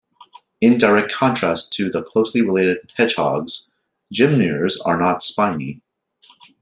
In direct contrast to the closely related hedgehogs, gymnures are not spiny.